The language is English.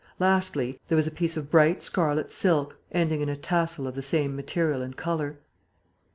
Lastly, there was a piece of bright scarlet silk, ending in a tassel of the same material and colour.